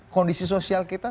kondisi sosial kita